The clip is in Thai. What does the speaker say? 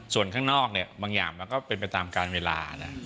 ส่วนข้างนอกเนี่ยบางอย่างมันก็เป็นไปตามการเวลานะ